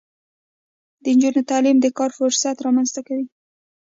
د نجونو تعلیم د کار فرصتونه رامنځته کوي.